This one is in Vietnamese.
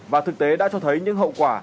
và thực tế đã cho thấy những hậu quả